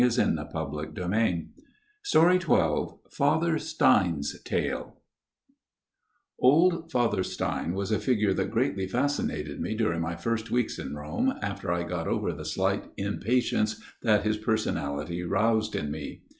That is all, gentlemen/' XII Father Stein's Tale XII Father Stein's Tale OLD Father Stein was a figure that greatly fascinated me during my first weeks in Rome, after I had got over the slight impatience that his personality roused in me.